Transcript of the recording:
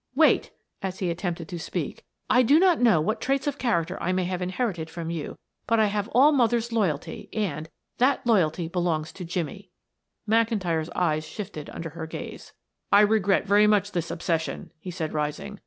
Wait," as he attempted to speak. "I do not know what traits of character I may have inherited from you, but I have all mother's loyalty, and that loyalty belongs to Jimmie." McIntyre's eyes shifted under her gaze. "I regret very much this obsession," he said rising.